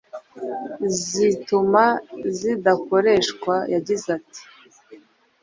zituma ridakoreshwa. Yagize ati “